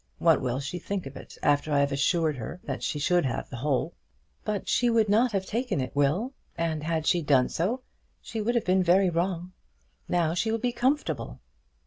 What will she think of it after I had assured her that she should have the whole?" "But she would not have taken it, Will. And had she done so, she would have been very wrong. Now she will be comfortable."